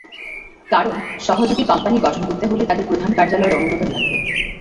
কারণ, সহযোগী কোম্পানি গঠন করতে হলে তাদের প্রধান কার্যালয়ের অনুমোদন লাগবে।